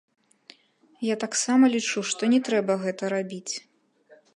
Я таксама лічу, што не трэба гэта рабіць.